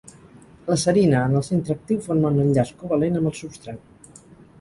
La Serina en el centre actiu forma un enllaç covalent amb el substrat.